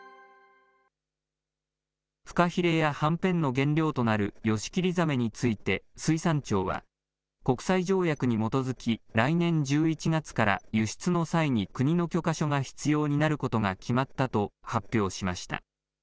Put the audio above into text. フカヒレやはんぺんなどの材料になるヨシキリザメについて、水産庁は、国際条約に基づき、来年１１月から輸出の際に国の許可書が必要になることが決まったと発表しました。